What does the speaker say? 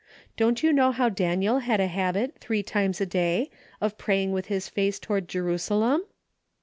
Don't you know how Daniel had a habit three times a day of praying with his face toward Jerusalem